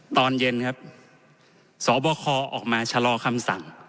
ตอนเย็นครับสบคออกมาชะลอคำสั่ง